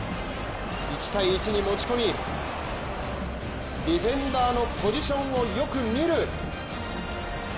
１対１に持ち込み、ディフェンダーのポジションをよく見る。